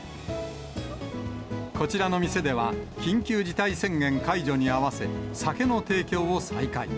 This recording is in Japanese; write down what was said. こちらの店では、緊急事態宣言解除に合わせ、酒の提供を再開。